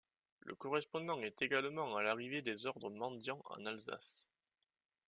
Le correspond également à l'arrivée des ordres mendiants en Alsace.